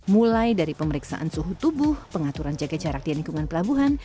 mulai dari pemeriksaan suhu tubuh pengaturan jaga jarak di lingkungan pelabuhan